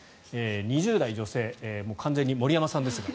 ２０代女性完全に森山さんですが。